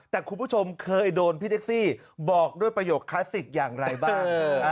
แต่คุณผู้ชมเคยโดนพี่แท็กซี่บอกด้วยประโยคคลาสสิกอย่างไรบ้าง